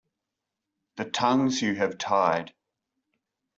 "The Tongues You Have Tied".